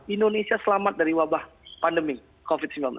indonesia selamat dari wabah pandemi covid sembilan belas